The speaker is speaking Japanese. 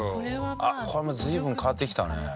あっこれはもう随分変わってきたね。